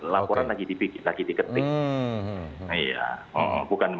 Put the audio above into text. laporan lagi di ketik